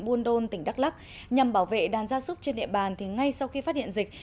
buôn đôn tỉnh đắk lắc nhằm bảo vệ đàn gia súc trên địa bàn thì ngay sau khi phát hiện dịch